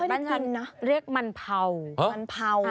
ประสาทอีสานบรรกันเรียกมันพันธุ์นะหรือมันผัว